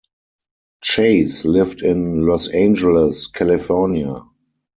Chase lived in Los Angeles, California.